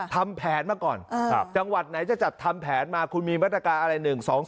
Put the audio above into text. ทำแผนมาก่อนจังหวัดไหนจะจัดทำแผนมาคุณมีมาตรการอะไร๑๒๒